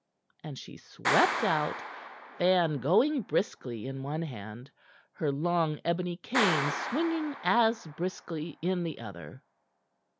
And she swept out, fan going briskly in one hand, her long ebony cane swinging as briskly in the other.